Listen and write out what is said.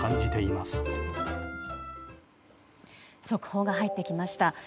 速報が入ってきました。